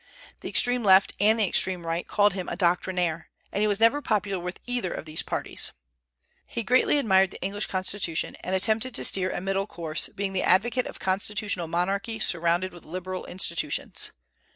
The extreme Left and the extreme Right called him a "Doctrinaire," and he was never popular with either of these parties. He greatly admired the English constitution and attempted to steer a middle course, being the advocate of constitutional monarchy surrounded with liberal institutions.